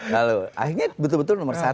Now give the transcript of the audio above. lalu akhirnya betul betul nomor satu